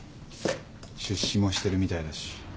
出資もしてるみたいだし。